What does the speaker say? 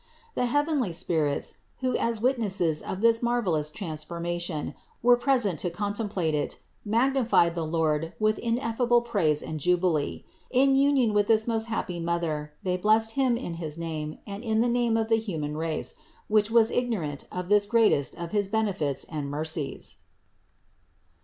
The heavenly spirits, who as witnesses of this marvelous transformation were present to contemplate it, magni fied the Almighty with ineffable praise and jubilee; in union with this most happy Mother, they blessed Him in his name and in the name of the human race, which was ignorant of this the greatest of his benefits and mercies.